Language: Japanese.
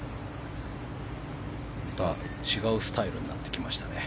違うスタイルになってきましたね。